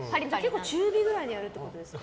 中火くらいでやるってことですか？